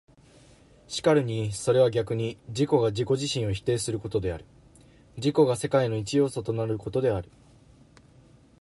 然るにそれは逆に自己が自己自身を否定することである、自己が世界の一要素となることである。